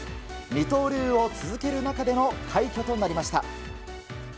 二刀流を続ける中での快挙となりました。